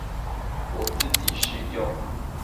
我自己是用